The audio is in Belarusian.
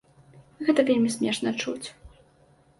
Гэта вельмі смешна чуць.